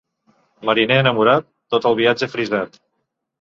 Mariner enamorat, tot el viatge ha frisat.